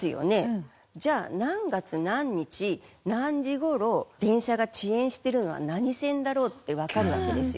じゃあ何月何日何時頃電車が遅延してるのは何線だろうってわかるわけですよ。